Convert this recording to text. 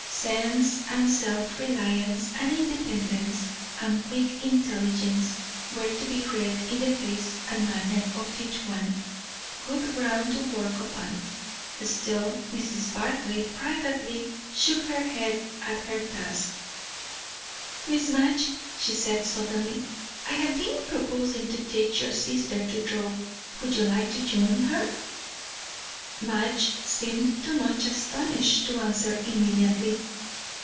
Sense, and self reliance, and independence, and quick intelligence, were to be read in the face and manner of each one; good ground to work upon. Still Mrs. Barclay privately shook her head at her task. "Miss Madge," she said suddenly, "I have been proposing to teach your sister to draw. Would you like to join her?" Madge seemed too much astonished to answer immediately.